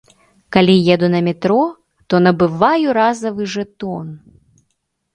Калі еду на метро, то набываю разавы жэтон.